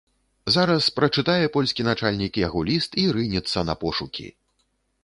Зараз прачытае польскі начальнік яго ліст і рынецца на пошукі.